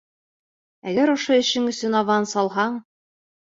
Әгәр ошо эшең өсөн аванс алһаң...